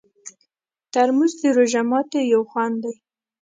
ترموز د روژه ماتي یو خوند دی.